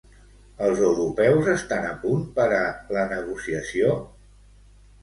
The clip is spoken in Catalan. Els europeus estan a punt per a la negociació?